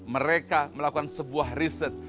mereka melakukan sebuah riset